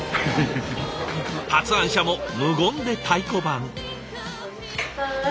発案者も無言で太鼓判！